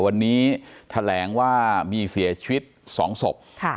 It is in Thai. วันนี้แถลงว่ามีเสียชีวิต๒ศพ